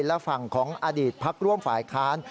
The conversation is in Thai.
และฝั่งของอดีตพักร่วมฝ่ายค้าน